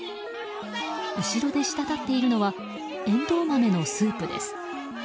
後ろで滴っているのはエンドウ豆のスープです。